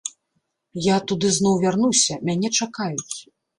Я туды зноў вярнуся, мяне чакаюць.